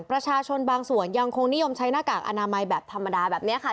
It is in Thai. ประชาชนบางส่วนยังคงนิยมใช้หน้ากากอนามัยแบบธรรมดาแบบนี้ค่ะ